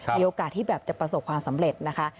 มีโอกาสที่แบบจะประสบความสำเร็จนะคะ